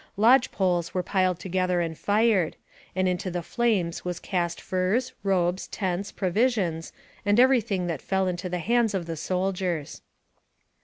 Lodge poles were piled together and fired, and into the flames was cast furs, robes, tents, provisions, and every thing that fell into the hands of the soldiers.